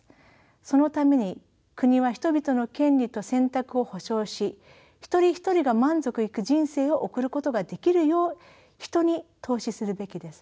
そのために国は人々の権利と選択を保障し一人一人が満足いく人生を送ることができるよう人に投資するべきです。